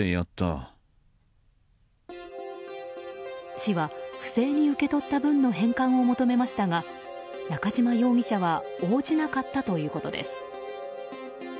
市は不正に受け取った分の返還を求めましたが中嶋容疑者は応じなかったということです。